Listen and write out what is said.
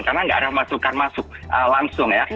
karena nggak ada masukan masuk langsung ya